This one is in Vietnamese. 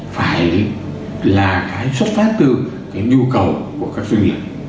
phải là cái xuất phát từ cái nhu cầu của các doanh nghiệp